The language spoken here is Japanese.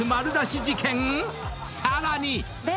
［さらに］